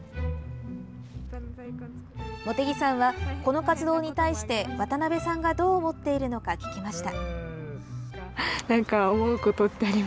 茂木さんはこの活動に対して渡邊さんがどう思っているのか聞きました。